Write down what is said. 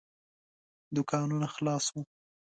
دوکانونه خلاص وو.